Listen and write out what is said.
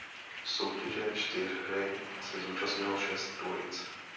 Soutěže čtyřhry se zúčastnilo šest dvojic.